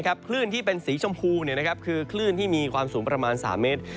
คลื่นที่เป็นสีชมพูคือคลื่นที่มีความสูงประมาณ๓เมตร